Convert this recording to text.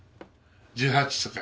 １８とか。